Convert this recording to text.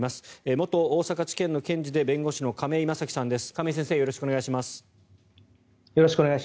元大阪地検の検事で弁護士の亀井正貴さんです。